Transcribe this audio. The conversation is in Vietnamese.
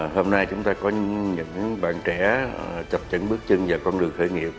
hôm nay chúng ta có những bạn trẻ chập chẩn bước chân vào con đường khởi nghiệp